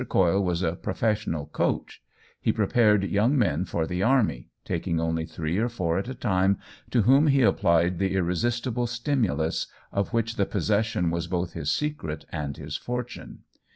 Coyle was a professional " coach ;" he prepared young men for the army, taking only three or four at a time, to whom he applied the irresisti ble stimulus of which the possession was both his secret and his fortune.